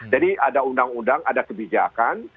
jadi ada undang undang ada kebijakan